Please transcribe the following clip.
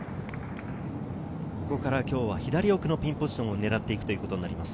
ここから今日は左奥のピンポジションを狙っていくということになります。